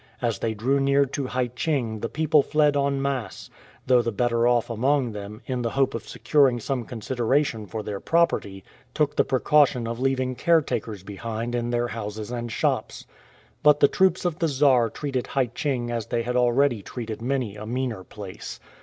As they drew near to Hai cheng the people fled e7i masse, though the better off among them, in the hope of securing some consideration for their property, took the precaution of leaving caretakers behind in their houses and shops. Put the troops of the Czar treated Hai cheng as they had already treated many a meaner place.